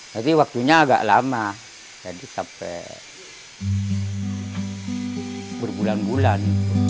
jadi waktunya agak lama jadi sampai berbulan bulan